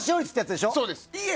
そうです。